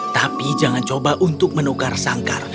tapi jangan coba untuk menukar sangkar